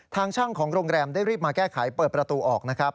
ทางช่างของโรงแรมได้รีบมาแก้ไขเปิดประตูออกนะครับ